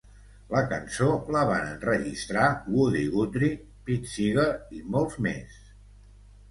La cançó la van enregistrar Woody Guthrie, Pete Seeger i molts més.